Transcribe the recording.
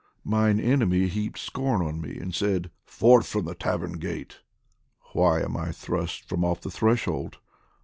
Mine enemy heaped scorn on me and said :" Forth from the tavern gate,! " Why am I thrust From off the threshold